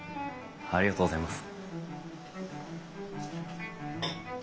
ありがとうございます。